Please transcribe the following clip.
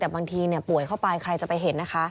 แต่บางทีป่วยเข้าไปใครจะไปเห็นนะคะ